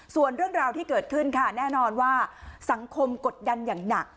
ส่วนเรื่องราวที่เกิดขึ้นค่ะแน่นอนว่าสังคมกดดันอย่างหนัก